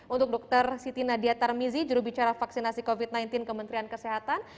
untuk dr siti nadia tarmizi jurubicara vaksinasi covid sembilan belas kementerian kesehatan